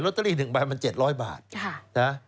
โรตเตอรี่๑ใบมัน๗๐๐บาท